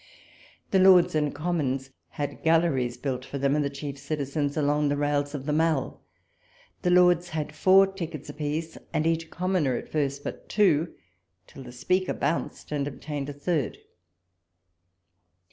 The Lords and Commons had galleries built for them and the chief citizens along the rails of the Mall : the Lords had four tickets a piece, and each Commoner, at first, but two, till the Speaker bounced and obtained a third.